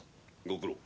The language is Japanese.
ご苦労。